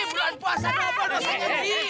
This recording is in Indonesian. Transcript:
ini bulan puasa dobel dosanya ji